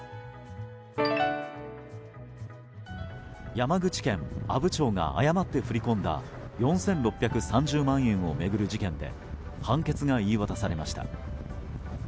山口県阿武町が誤って振り込んだ４６３０万円を巡る事件で判決が言い渡されました。